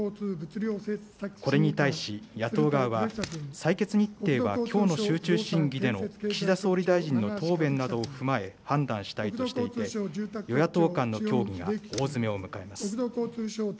これに対し野党側は、採決日程はきょうの集中審議での岸田総理大臣の答弁などを踏まえ、判断したいとしていて、与野党間の協議が大詰めを迎えます。